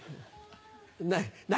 何。